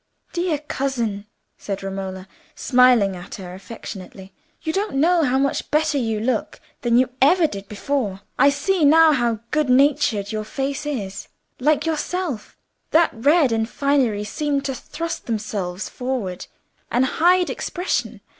"Dear cousin," said Romola, smiling at her affectionately, "you don't know how much better you look than you ever did before. I see now how good natured your face is, like yourself. That red and finery seemed to thrust themselves forward and hide expression.